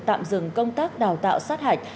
tạm dừng công tác đào tạo sát hạch